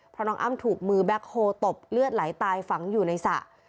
เพราะน้องอ้ำถูกมือแบ็คโฮตบเลือดไหลตายฝังอยู่ในสระ